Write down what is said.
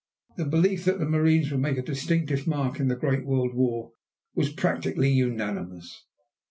The belief that the marines would make a distinctive mark in the great World War was practically unanimous.